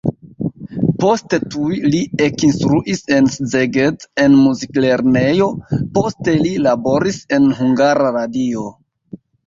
Poste tuj li ekinstruis en Szeged en muziklernejo, poste li laboris en Hungara Radio.